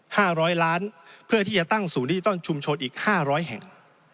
ห้าร้อยล้านเพื่อที่จะตั้งศูนย์ดิจิทัลชุมชนอีกห้าร้อยแห่ง